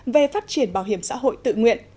về phát triển bảo hiểm xã hội tự nguyện